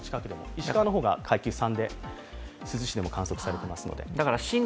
石川の方が階級３を珠洲市でも観測されています。